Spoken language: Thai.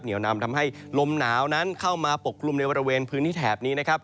นำทำให้ลมหนาวนั้นเข้ามาปกกลุ่มในบริเวณพื้นที่แถบนี้นะครับ